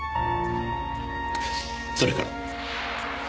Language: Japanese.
それから。